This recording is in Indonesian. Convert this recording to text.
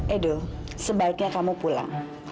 edo sebaiknya kamu pulang